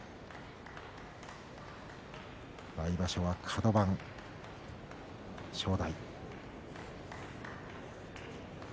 来場所はカド番、正代。